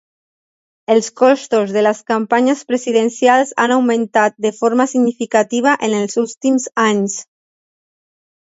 Els costos de les campanyes presidencials han augmentat de forma significativa en els últims anys.